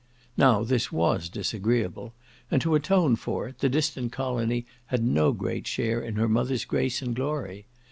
Now, this was disagreeable; and to atone for it, the distant colony had no great share in her mother's grace and glory.